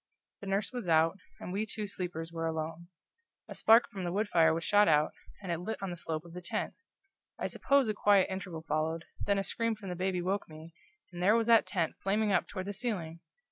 The nurse was out, and we two sleepers were alone. A spark from the wood fire was shot out, and it lit on the slope of the tent. I suppose a quiet interval followed, then a scream from the baby awoke me, and there was that tent flaming up toward the ceiling!